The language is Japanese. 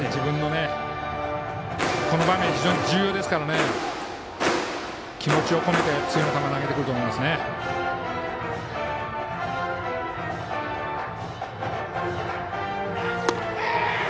この場面、非常に重要ですから気持ちを込めて投げてくると思いますね。